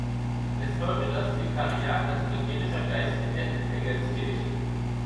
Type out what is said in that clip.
Es folgte das Vikariat als evangelischer Geistlicher in Engelskirchen.